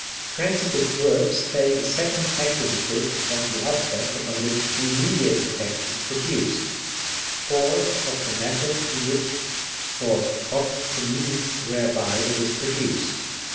Transitive verbs take a second accusative of the object upon which the immediate effect is produced §117. DATIVE. 177 — or of the manner in which, or of the means where by, it is produced.